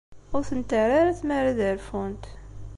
Ur tent-terri ara tmara ad rfunt.